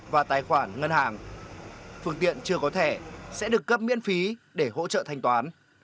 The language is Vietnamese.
và tài khoản ngân hàng phương tiện chưa có thẻ sẽ được cấp miễn phí để hỗ trợ thanh toán